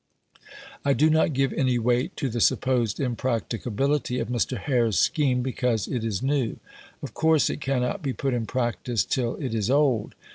I do not give any weight to the supposed impracticability of Mr. Hare's scheme because it is new. Of course it cannot be put in practice till it is old.